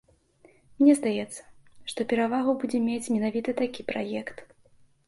Мне здаецца, што перавагу будзе мець менавіта такі праект.